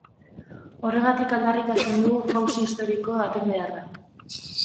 Horregatik aldarrikatzen dugu jauzi historiko baten beharra.